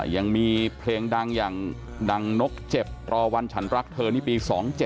ยังมีเผลงดังนกเจ็บต่อวันฉันรักเธอนี้ปี๒๗